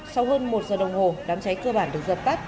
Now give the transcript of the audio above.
sau hơn một giờ đồng hồ đám cháy cơ bản được dập tắt